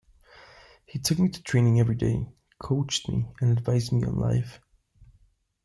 He took me to training every day, coached me and advised me on life.